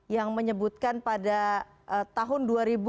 yang menyebutkan pada tahun dua ribu dua puluh